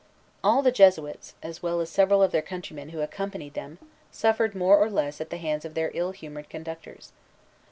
All the Jesuits, as well as several of their countrymen who accompanied them, suffered more or less at the hands of their ill humored conductors.